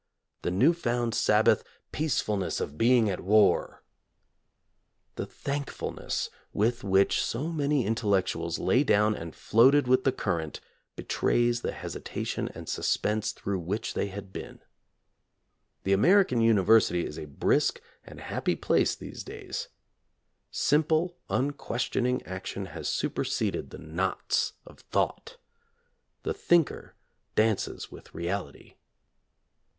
The new found Sabbath "peacefulness of being at war" ! The thankfulness with which so many intellectuals lay down and floated with the current betrays the hesitation and suspense through which they had been. The American university is a brisk and happy place these days. Simple, unquestioning action has superseded the knots of thought. The thinker dances with reality.